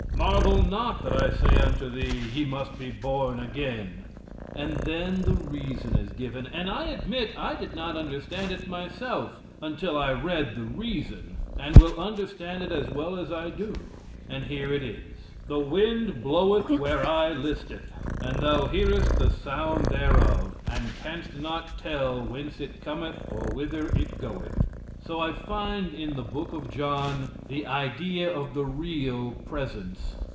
"Marvel not that I say unto thee, 'ye must be born again.'" And then the reason is given, and I admit I did not understand it myself until I read the reason, and will understand it as well as I do; and here it is: "The wind bloweth where it listeth, and thou hearest the sound thereof, and canst not tell whence it cometh and whither it goeth." So I find in the book of John the idea of the real presence.